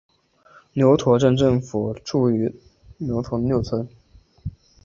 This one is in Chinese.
牛驼镇镇政府驻牛驼六村。